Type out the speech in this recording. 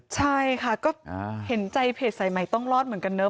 ใช่ค่ะก็เห็นใจเพจสายใหม่ต้องรอดเหมือนกันเนาะ